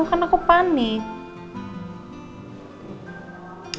kan aku panik